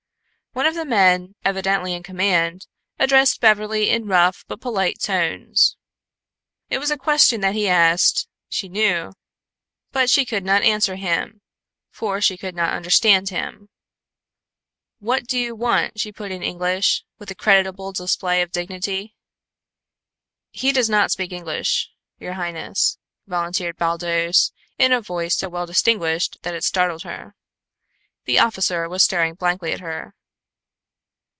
One of the men, evidently in command, addressed Beverly in rough but polite tones. It was a question that he asked, she knew, but she could not answer him, for she could not understand him. "What do you want?" she put in English, with a creditable display of dignity. "He does not speak English, your highness," volunteered Baldos, in a voice so well disguised that it startled her. The officer was staring blankly at her.